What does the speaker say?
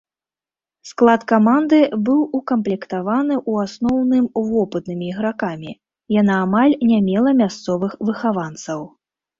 Склад каманды быў укамплектаваны ў асноўным вопытнымі ігракамі, яна амаль не мела мясцовых выхаванцаў.